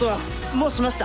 もうしました！